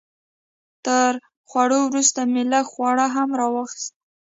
تر خوړو وروسته مې لږ خواږه هم راواخیستل.